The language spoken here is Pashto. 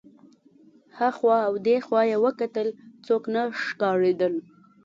هخوا او دېخوا یې وکتل څوک نه ښکارېدل.